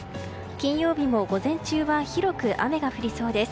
金曜日も午前中は広く雨が降りそうです。